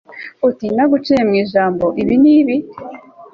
uti «ntaguciye mu ijambo» ibi n'ibi